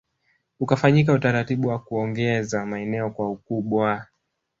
Ukafanyika utaratibu wa kuongeza maeneo kwa ukubwa